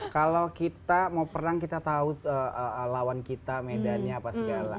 kalau kita mau perang kita tahu lawan kita medannya apa segala